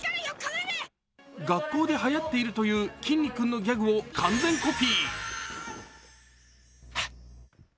学校ではやっているというきんに君のギャグを完全コピー。